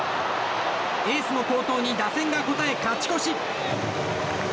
エースの好投に打線が応え勝ち越し。